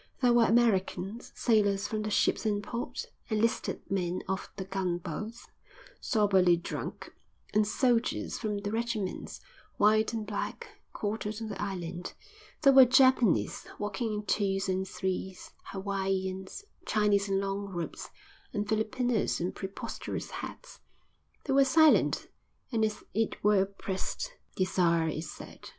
There were Americans, sailors from the ships in port, enlisted men off the gunboats, sombrely drunk, and soldiers from the regiments, white and black, quartered on the island; there were Japanese, walking in twos and threes; Hawaiians, Chinese in long robes, and Filipinos in preposterous hats. They were silent and as it were oppressed. Desire is sad.